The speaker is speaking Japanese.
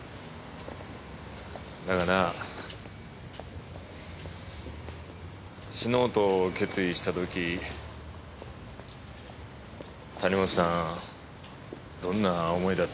だがなあ死のうと決意した時谷本さんどんな思いだったか。